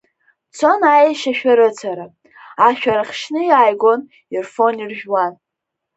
Дцон аешьа шәарыцара, ашәарах шьны иааигон ирфон-иржәуан.